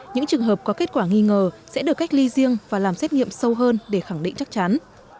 những trường hợp có kết quả nghi ngờ sẽ được cách ly riêng và làm xét nghiệm sâu hơn để khẳng định chắc chắn